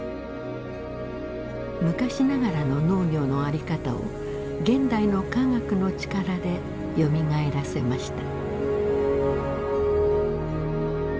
昔ながらの農業の在り方を現代の科学の力でよみがえらせました。